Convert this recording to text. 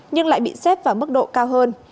nhưng lại bị xếp vào mức độ cao hơn